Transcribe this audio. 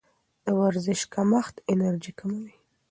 د ورزش کمښت انرژي کموي.